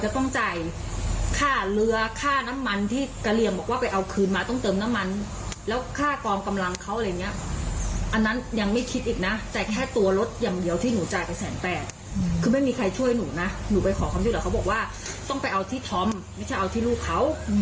เพราะว่าสาวหลอกับทหารยศ๑๐เอกรู้จักกันค่ะ